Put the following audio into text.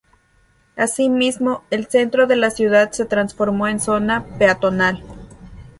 Asimismo, el centro de la ciudad se transformó en zona peatonal.